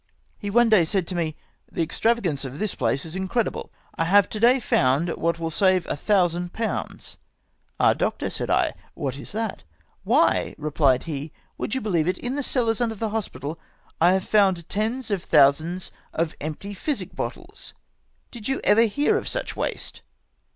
lie one day said to me ;" The extravagance of this place is incre dible. I have to day found what will save one thousand pounds." " Ah, Doctor," said I, " what is that ?" "Why," replied he, " would you believe it, in the cellars under the hospital I have fomid tens of thousands of empty physic bottles ! Did you ever hear of such waste